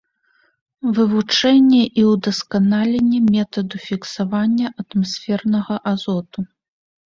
Вывучэнне і ўдасканаленне метаду фіксавання атмасфернага азоту.